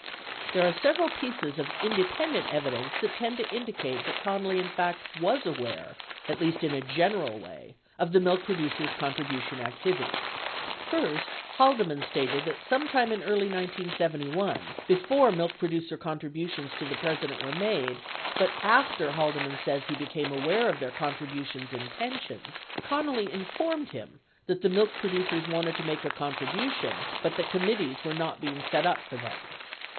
43 There are several pieces of independent evidence that tend to indi cate that Connally in fact was aware, at least in a general way, of the milk producers' contribution activity. First, Haldeman stated that sometime in early 1971, before milk producer contributions to the President were made but after Haldeman says he became aware of their contributions intentions, Connally informed him that the milk producers wanted to make a contribution but that committees were not being set up for them.